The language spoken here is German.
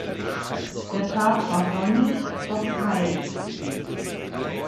Der Tag war sonnig, doch kalt.